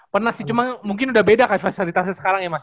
pernah sih cuma mungkin udah beda kali fasilitasnya sekarang ya mas